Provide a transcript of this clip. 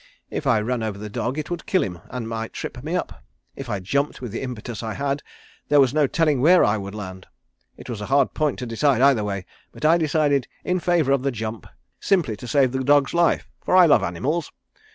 If I ran over the dog it would kill him and might trip me up. If I jumped with the impetus I had there was no telling where I would land. It was a hard point to decide either way, but I decided in favour of the jump, simply to save the dog's life, for I love animals.